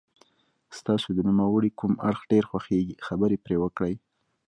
ستاسو د نوموړي کوم اړخ ډېر خوښیږي خبرې پرې وکړئ.